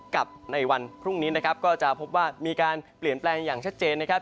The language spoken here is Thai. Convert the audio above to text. กับในวันพรุ่งนี้นะครับก็จะพบว่ามีการเปลี่ยนแปลงอย่างชัดเจนนะครับ